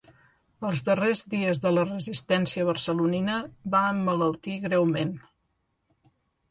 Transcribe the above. Els darrers dies de la resistència barcelonina va emmalaltir greument.